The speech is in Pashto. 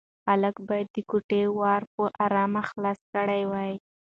هلک باید د کوټې ور په ارامه خلاص کړی وای.